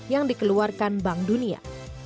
yang dikeluarkan bank dunia